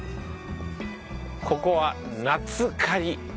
ここは「なつかり」